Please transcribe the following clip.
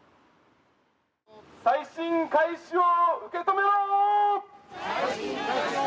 再審開始を受け止めろ！